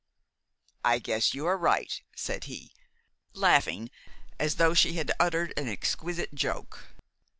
"I guess you are right," said he, laughing as though she had uttered an exquisite joke.